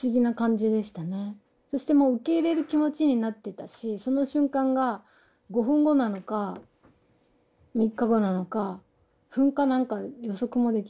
そしてもう受け入れる気持ちになってたしその瞬間が５分後なのか３日後なのか噴火なんか予測もできないし。